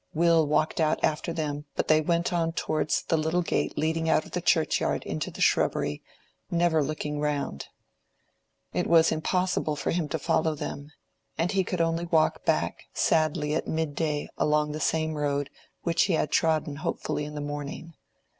Will walked out after them, but they went on towards the little gate leading out of the churchyard into the shrubbery, never looking round. It was impossible for him to follow them, and he could only walk back sadly at mid day along the same road which he had trodden hopefully in the morning.